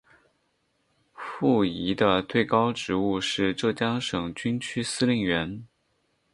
傅怡的最高职务是浙江省军区司令员。